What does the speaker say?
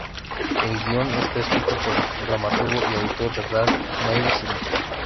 El guion está escrito por el dramaturgo y autor teatral Neil Simon.